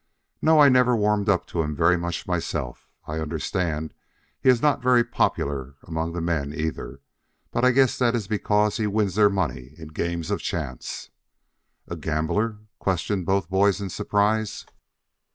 "No, I never warmed up to him very much myself. I understand he is not very popular among the men, either. But I guess that is because he wins their money in games of chance." "A gambler?" questioned both boys in surprise.